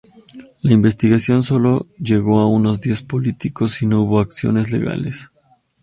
La investigación solo llegó a unos diez políticos y no hubo acciones legales.